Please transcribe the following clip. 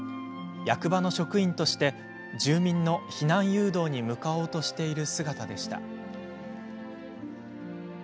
役場の職員として住民の避難誘導に向かおうとしている姿でした。